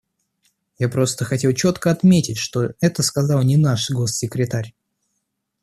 Я просто хотел четко отметить, что это сказал не наш госсекретарь.